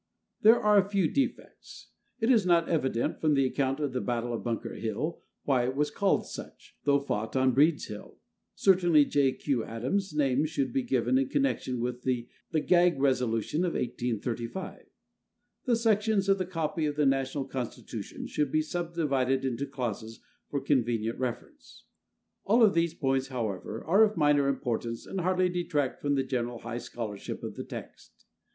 There are a few defects: It is not evident from the account of the Battle of Bunker Hill why it was called such, though fought on Breed's Hill. Certainly J. Q. Adams' name should be given in connection with the "gag resolution" of 1835. The sections of the copy of the national constitution should be subdivided into clauses for convenient reference. All of these points, however, are of minor importance and hardly detract from the general high scholarship of the text.